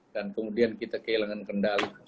dan kemudian kita kehilangan kendali